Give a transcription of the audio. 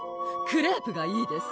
クレープがいいです！